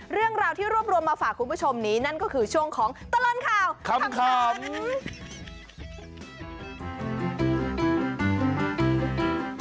เรื่องราวที่รวบรวมมาฝากคุณผู้ชมนี้นั่นก็คือช่วงของตลอดข่าวขำ